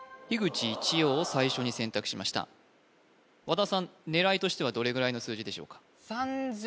一葉を最初に選択しました和田さん狙いとしてはどれぐらいの数字でしょうか？